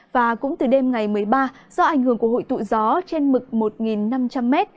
và cũng từ đêm ngày một mươi ba do ảnh hưởng của hội tụ gió trên mực một năm trăm linh m